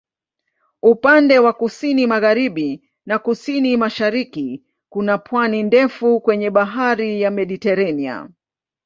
Upande wa kusini-magharibi na kusini-mashariki kuna pwani ndefu kwenye Bahari ya Mediteranea.